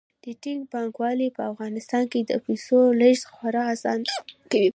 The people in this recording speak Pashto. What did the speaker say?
ډیجیټل بانکوالي په افغانستان کې د پیسو لیږد خورا اسانه کوي.